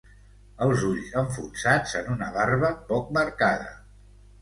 Els ulls enfonsats en una barba poc marcada.